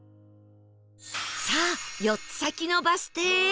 さあ４つ先のバス停へ